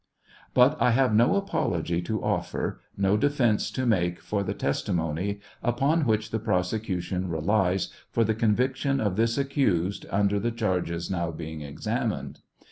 But I have no apology to offer, no defence to make, for the testimony upon which the prosecution relies for the conviction of this accused under the charge now being examined.